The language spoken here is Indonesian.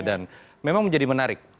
dan memang menjadi menarik